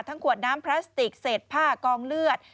ขวดน้ำพลาสติกเศษผ้ากองเลือด